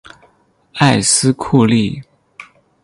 埃斯库利。